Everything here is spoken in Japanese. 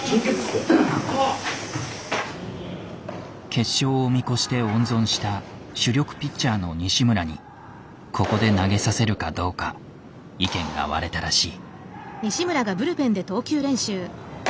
決勝を見越して温存した主力ピッチャーの西村にここで投げさせるかどうか意見が割れたらしい。